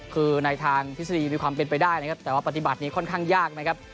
คือในทางทฤษฎีมีความเป็นไปได้นะครับแต่ว่าปฏิบัตินี้ค่อนข้างยากนะครับ